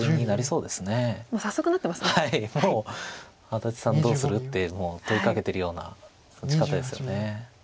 「安達さんどうする？」ってもう問いかけてるような打ち方ですよね。